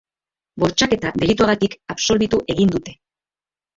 Bortxaketa delituagatik absolbitu egin dute.